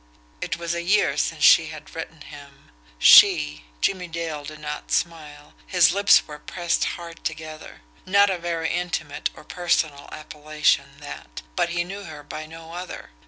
It was a year since she had written him. SHE! Jimmie Dale did not smile, his lips were pressed hard together. Not a very intimate or personal appellation, that but he knew her by no other.